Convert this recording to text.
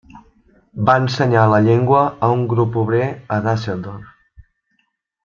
Va ensenyar la llengua a un grup obrer a Düsseldorf.